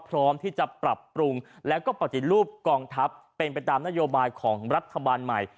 พร้อมที่จะปรับปรุงแล้วก็ปฏิรูปกองทัพเป็นไปตามนโยบายของรัฐบาลใหม่